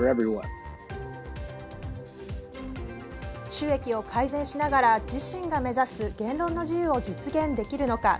収益を改善しながら自身が目指す言論の自由を実現できるのか。